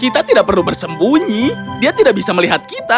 kita tidak perlu bersembunyi dia tidak bisa melihat kita